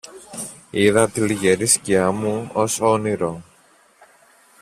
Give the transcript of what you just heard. είδα τη λυγερή σκιά μου, ως όνειρο